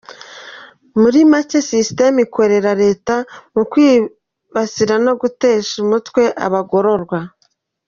Muri make ni system ikorera Leta mu kwibasira no gutesha umutwe abagororwa.